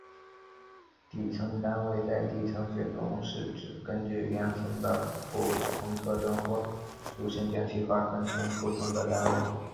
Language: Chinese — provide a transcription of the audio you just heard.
地层单位在地层学中是指根据岩层的不同特征或属性将其划分成的不同单位。